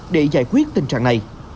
để giải quyết tình trạng này